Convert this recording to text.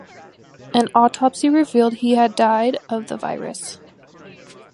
An autopsy revealed he had died of the virus.